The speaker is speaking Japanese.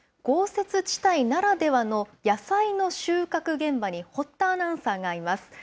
豪雪地帯ならではの野菜の収穫現場に堀田アナウンサーがいます。